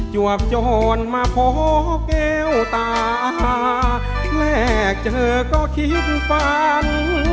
วกโจรมาพบแก้วตาแรกเจอก็คิดฝัน